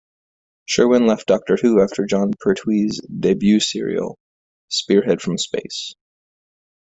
Sherwin left "Doctor Who" after Jon Pertwee's debut serial, "Spearhead from Space".